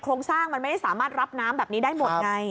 โครงสร้างมันไม่สามารถรับน้ำแบบนี้ได้หมดไง